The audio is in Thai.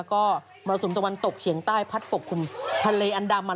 ก็มรสุมตะวันตกเฉียงใต้พัดปกคลุมทะเลอันดามัน